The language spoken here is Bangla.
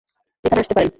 এখানে আসতে পারেন।